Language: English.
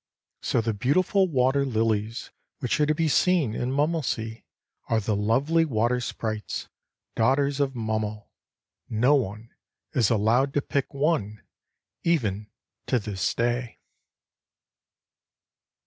So the beautiful water lilies which are to be seen in Mummelsee are the lovely water sprites, daughters of Mummel. No one is allowed to pick one even to this day.